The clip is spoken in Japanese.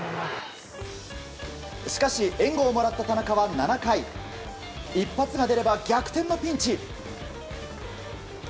しかし、援護をもらった田中は７回一発が出れば逆転のピンチ。